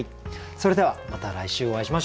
それではまた来週お会いしましょう。